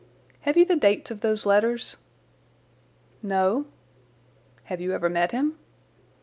"Have you the dates of those letters?" "No." "Have you ever met him?"